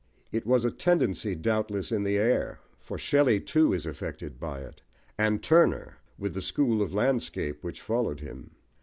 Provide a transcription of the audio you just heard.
It was a tendency, doubtless, in the air, for Shelley too is affected by it, and Turner, with the school of landscape which followed him.